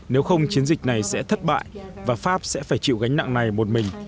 nếu không chiến dịch này sẽ thất bại và pháp sẽ phải chịu gánh nặng này một mình